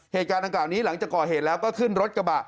เหตุการณ์ดังกล่าวนี้หลังจากก่อเหตุแล้วก็ขึ้นรถกระบะ